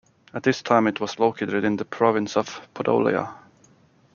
At this time it was located in the province of Podolia.